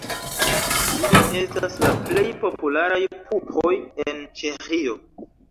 Ili estas la plej popularaj pupoj en Ĉeĥio.